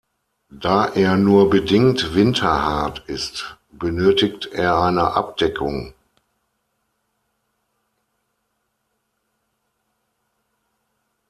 Da er nur bedingt winterhart ist, benötigt er eine Abdeckung.